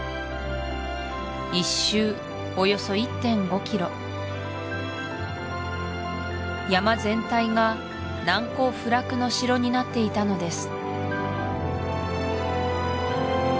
１周およそ１．５ｋｍ山全体が難攻不落の城になっていたのです